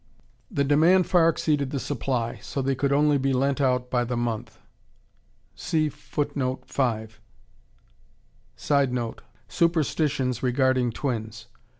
The demand far exceeded the supply, so they could only be lent out by the month. [Sidenote: Superstitions regarding twins.